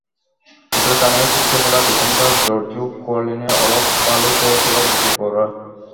চোটের কারণে ছিটকে পড়া ডিফেন্ডার জর্জো কিয়োলিনের অভাব ভালোই টের পেল জুভরা।